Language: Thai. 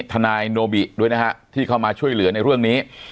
ทนายโนบิด้วยนะฮะที่เข้ามาช่วยเหลือในเรื่องนี้